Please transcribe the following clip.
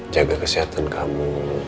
jaga kesehatan kamu